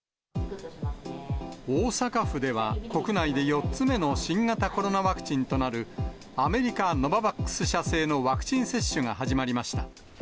大阪府では、国内で４つ目の新型コロナワクチンとなるアメリカ、ノババックス社製のワクチン接種が始まりました。